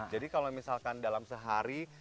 jadi kalau misalkan dalam sehari